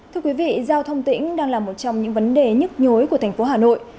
thưa quý vị giao thông tỉnh đang là một trong những vấn đề nhức nhối của thành phố hà nội